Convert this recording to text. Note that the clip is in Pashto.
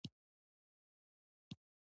دا اصلاً یوازې عقیدت وي.